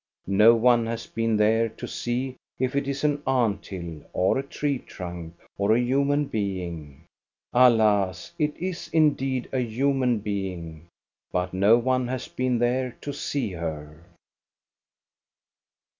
No one has been there to see if it is an ant hill, or a tree trunk, or a human being. Alas! it is indeed a human being, but no one has been there to see her.